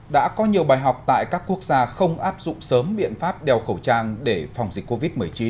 đã có nhiều bài học tại các quốc gia không áp dụng sớm biện pháp đeo khẩu trang để phòng dịch covid một mươi chín